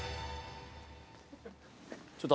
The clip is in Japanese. ちょっと。